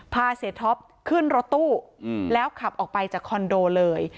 พาเสียท็อปขึ้นรถตู้แล้วขับออกไปจากคอนโดเลย